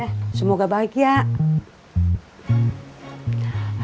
yang gak awas ga waspada